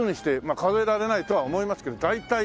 数えられないとは思いますけど大体？